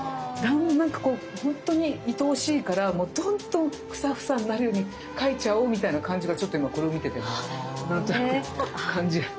なんかこうほんとにいとおしいからもうどんどんふさふさになるように描いちゃおうみたいな感じがちょっと今これを見てて何となく感じる。